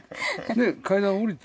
階段下りて。